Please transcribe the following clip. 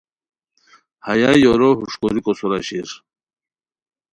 ہیہ یُورو ہوݰکوریکو سور ا شیر